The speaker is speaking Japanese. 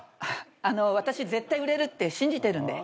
あの私絶対売れるって信じてるんで。